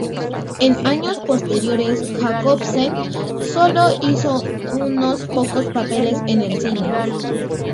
En años posteriores Jacobsen solo hizo unos pocos papeles en el cine.